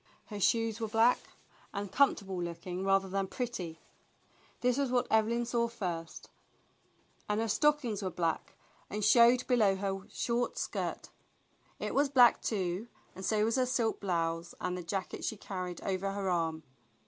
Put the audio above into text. Her shoes were black and comfortable looking rather than pretty, this was what Evelyn saw first, and her stockings were THE BLUE AUNT COMES 11 black and showed below her short skirt. It was black, too, and so was her silk blouse and the jacket she carried over her arm.